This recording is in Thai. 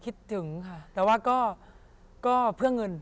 คิดถึงค่ะแต่ว่าก็เพื่อเงิน